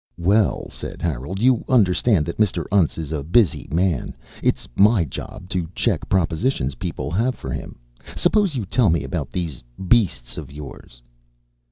"Well," said Harold, "you understand that Mr. Untz is a busy man. It's my job to check propositions people have for him. Suppose you tell me about these beasts of yours."